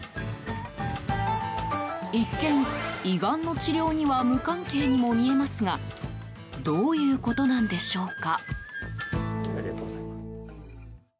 一見、胃がんの治療には無関係にも見えますがどういうことなんでしょうか？